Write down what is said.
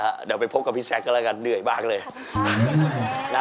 เดี๋ยวไปพบกับพี่แซคกันแล้วกันเหนื่อยมากเลย